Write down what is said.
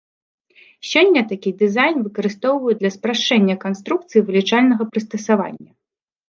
Сёння такі дызайн выкарыстоўваюць для спрашчэння канструкцыі вылічальнага прыстасавання.